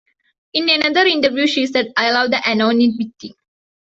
In another interview she said, I love the anonymity.